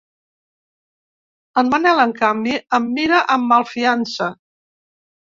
El Manel, en canvi, em mira amb malfiança.